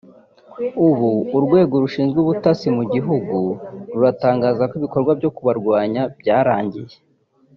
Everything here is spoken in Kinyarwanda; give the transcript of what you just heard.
ubu urwego rushinzwe ubutasi mu gihugu ruratangaza ko ibikorwa byo kubarwanya byarangiye